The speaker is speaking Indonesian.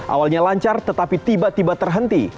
awalnya lancar tetapi tiba tiba terhenti